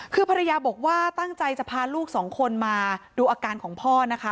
คือภรรยาบอกว่าตั้งใจจะพาลูกสองคนมาดูอาการของพ่อนะคะ